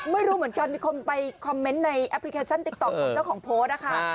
ไม่รู้เหมือนกันมีคนไปคอมเมนต์ในแอปพลิเคชันติ๊กต๊อกของเจ้าของโพสต์นะคะ